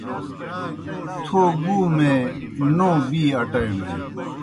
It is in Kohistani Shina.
تھو گُومے نوں بِی اٹائینوئے۔